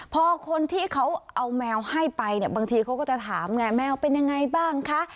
พอคนที่เขาเอาแมวให้ไปเนี่ยบางทีเขาก็จะถามไงแมวเป็นยังไงบ้างคะ